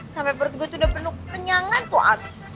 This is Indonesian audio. sampai perut gue tuh udah penuh kenyangan tuh abis